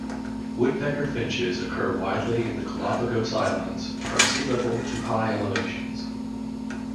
Woodpecker finches occur widely in the Galapagos Islands, from sea level to high elevations.